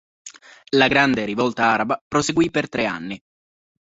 La Grande rivolta araba proseguì per tre anni.